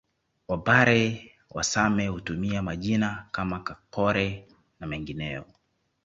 Wapare wa Same hutumia majina kama Kakore na mengineyo